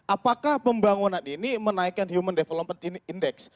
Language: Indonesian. apakah pembangunan ini menaikkan human development index